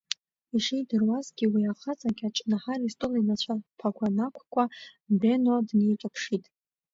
Ишидыруазгьы уи ахаҵа кьаҿ Наҳар истол инацәа ԥагәа нақәкуа, Бено днеиҿаԥшит.